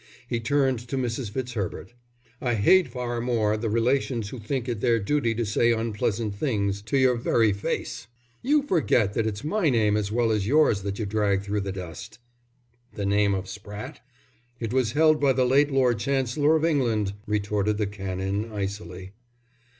He turned to Mrs. Fitzherbert. "I hate far more the relations who think it their duty to say unpleasant things to your very face." "You forget that it's my name as well as yours that you drag through the dust." "The name of Spratte?" "It was held by the late Lord Chancellor of England," retorted the Canon, icily.